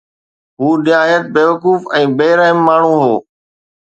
هُو نهايت بيوقوف ۽ بي رحم ماڻهو هو